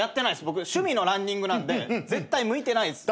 僕趣味のランニングなんで絶対向いてないです。